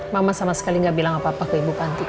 mama sama sekali gak bilang apa apa ke ibu panti